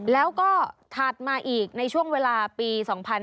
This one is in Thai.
แล้วก็ถัดมาอีกในช่วงเวลาปี๒๕๕๙